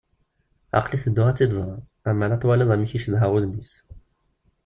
Aql-i tedduɣ ad tt-id-ẓreɣ. Ammer ad twaliḍ amek i cedhaɣ udem-is.